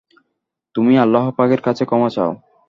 তুমি আল্লাহপাকের কাছে ক্ষমা চাও।